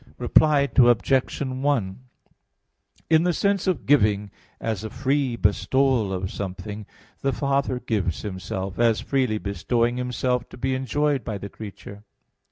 Reply Obj. 1: In the sense of "giving" as a free bestowal of something, the Father gives Himself, as freely bestowing Himself to be enjoyed by the creature.